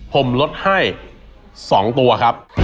ผมลดให้๒ตัวครับ